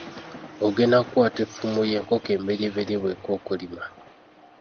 Ogenda kukwata effumu lyo, enkoko embereberye bw’ekookolima.